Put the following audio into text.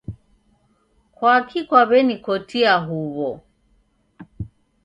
Kwakii kwaw'enikotia huwo?